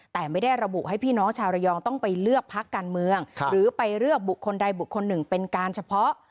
แต่ไม่ได้ระบุให้พี่น้องชาวระยองต้องไปเลือกพักการเมืองหรือไปเลือกบุคคลใดบุคคลหนึ่งเป็นการเฉพาะ